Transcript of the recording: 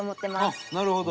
あっなるほど。